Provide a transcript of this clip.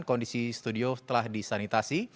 kondisi studio telah disanitasi